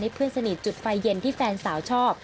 เพื่อนสนิทจุดไฟเย็นที่แฟนสาวชอบ